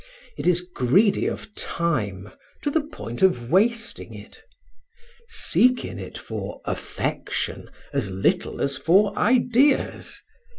It is greedy of time to the point of wasting it. Seek in it for affection as little as for ideas.